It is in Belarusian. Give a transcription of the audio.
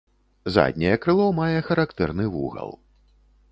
Задняе крыло мае характэрны вугал.